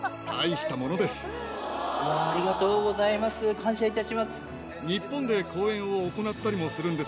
感謝いたします。